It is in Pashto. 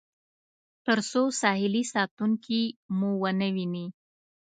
تر څو ساحلي ساتونکي مو ونه وویني.